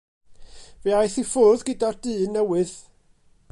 Fe aeth i ffwrdd gyda'r dyn newydd.